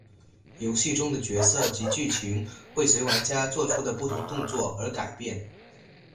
游戏中的角色及剧情会随玩家作出的不同动作而改变。